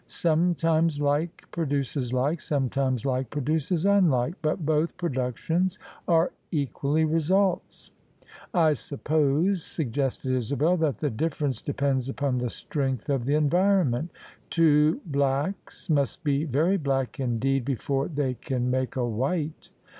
Sometimes like produces like — sometimes like produces unlike: but both productions are equally results." " I suppose," suggested Isabel, " that the difference de pends upon the strength of the environment: two blacks must be very black indeed before they can make a white."